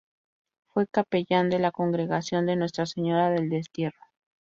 Fue capellán de la congregación de Nuestra Señora del Destierro.